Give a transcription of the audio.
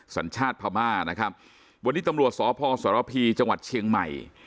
สัญชาติพม่านะครับวันนี้ตำรวจสพสรพีจังหวัดเชียงใหม่